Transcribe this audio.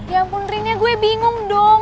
ya ampun rinya gue bingung dong